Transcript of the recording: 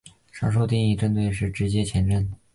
上述定义主要针对的是直接前震。